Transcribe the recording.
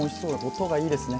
音がいいですね。